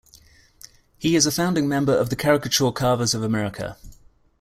He is a founding member of the Caricature Carvers of America.